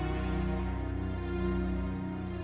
kamu mau ke otak kamu